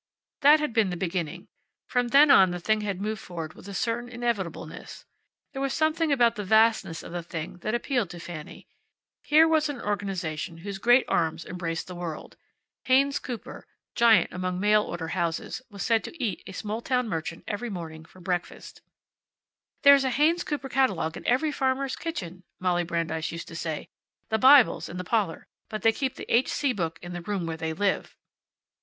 That had been the beginning. From then on the thing had moved forward with a certain inevitableness. There was something about the vastness of the thing that appealed to Fanny. Here was an organization whose great arms embraced the world. Haynes Cooper, giant among mail order houses, was said to eat a small town merchant every morning for breakfast. "There's a Haynes Cooper catalogue in every farmer's kitchen," Molly Brandeis used to say. "The Bible's in the parlor, but they keep the H. C. book in the room where they live."